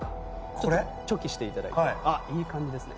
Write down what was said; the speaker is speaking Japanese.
チョキしていただいてああいい感じですね。